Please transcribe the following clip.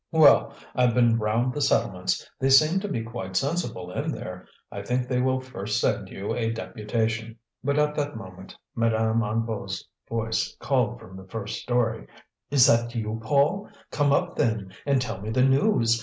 "Well, I've been round the settlements. They seem to be quite sensible in there. I think they will first send you a deputation." But at that moment Madame Hennebeau's voice called from the first story: "Is that you, Paul? Come up, then, and tell me the news.